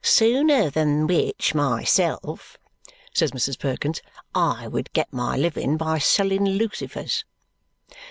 "Sooner than which, myself," says Mrs. Perkins, "I would get my living by selling lucifers."